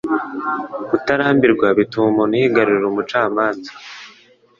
Kutarambirwa bituma umuntu yigarurira umucamanza